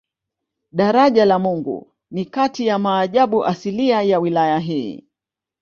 Daraja la Mungu ni kati ya maajabu asilia ya wilaya hii